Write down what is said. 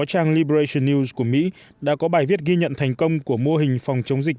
trang libration news của mỹ đã có bài viết ghi nhận thành công của mô hình phòng chống dịch